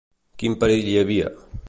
Quin perill hi havia?